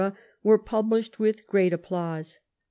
were published with great applause.